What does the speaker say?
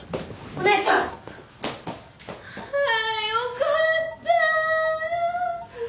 あよかった！